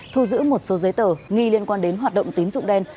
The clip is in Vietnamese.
thu giữ một số giấy tờ nghi liên quan đến hoạt động tín dụng đen